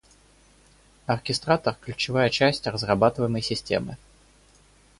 Оркестратор – ключевая часть разрабатываемой системы